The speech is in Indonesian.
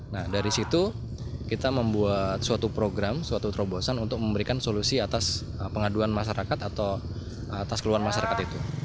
nah dari situ kita membuat suatu program suatu terobosan untuk memberikan solusi atas pengaduan masyarakat atau atas keluhan masyarakat itu